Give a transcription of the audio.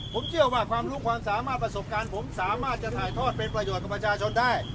ผมเชื่อว่าความรู้ความสามารถประสบการณ์ผมสามารถจะถ่ายทอดเป็นประโยชน์กับประชาชนได้